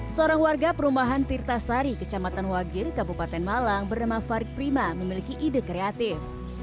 seorang warga perumahan tirtasari kecamatan wagir kabupaten malang bernama farid prima memiliki ide kreatif